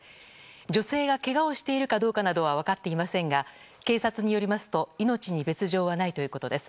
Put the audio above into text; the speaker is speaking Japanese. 女性がけがをしているかどうかなどは分かっていませんが警察によりますと命に別条はないということです。